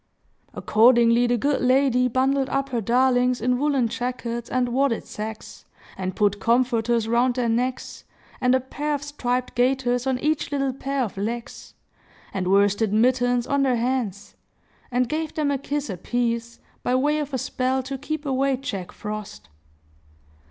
Accordingly, the good lady bundled up her darlings in woollen jackets and wadded sacks, and put comforters round their necks, and a pair of striped gaiters on each little pair of legs, and worsted mittens on their hands, and gave them a kiss apiece, by way of a spell to keep away Jack Frost.